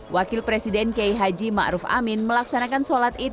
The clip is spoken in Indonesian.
wakil presiden k h ma'ruf amin melaksanakan solat id